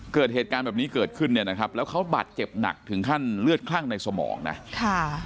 เกิดเหตุการณ์แบบนี้เกิดขึ้นเนี่ยนะครับแล้วเขาบาดเจ็บหนักถึงขั้นเลือดคลั่งในสมองนะค่ะ